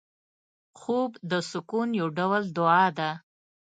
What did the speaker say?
خوب د سکون یو ډول دعا ده